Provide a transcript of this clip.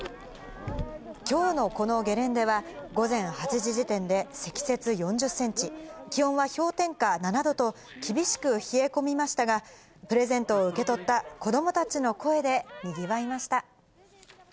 きょうのこのゲレンデは、午前８時時点で積雪４０センチ、気温は氷点下７度と、厳しく冷え込みましたが、プレゼントを受け取った子どもたちの声でにぎわいました。